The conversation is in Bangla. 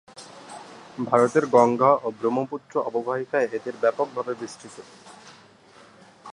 ভারতের গঙ্গা ও ব্রহ্মপুত্র অববাহিকায় এদের ব্যাপক ভাবে বিস্তৃত।